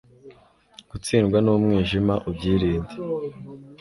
gutsindwa n'umwijima ubyirinde